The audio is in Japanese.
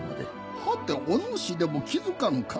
はておぬしでも気付かぬか？